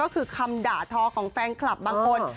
ก็คือคำด่าทอของแฟนคลับบางคน